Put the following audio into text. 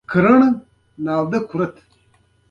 د لغمان د هده ستوپ د بودا د هډوکو اصلي ځای ګڼل کېږي